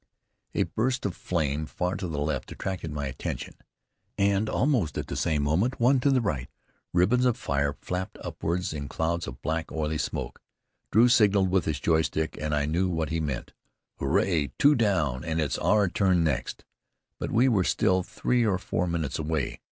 A burst of flame far to the left attracted my attention, and almost at the same moment, one to the right. Ribbons of fire flapped upward in clouds of black oily smoke. Drew signaled with his joy stick, and I knew what he meant: "Hooray! two down! It's our turn next!" But we were still three or four minutes away.